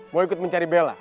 mau ikut mencari bella